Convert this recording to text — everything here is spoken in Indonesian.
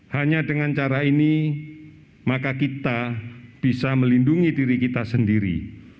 hanya dengan cara ini maka kita bisa melindungi diri kita sendiri